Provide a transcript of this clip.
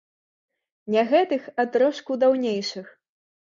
Не гэтых, а трошку даўнейшых.